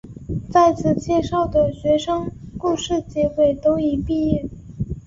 在此介绍的学生故事结尾都已毕业。